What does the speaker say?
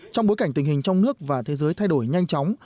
trong bối cảnh tình hình trong nước và thế giới thay đổi nhanh chóng